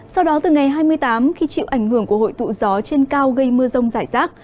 sau đó từ ngày hai mươi tám khi chịu ảnh hưởng của hội tụ gió trên cao gây mưa rông rải rác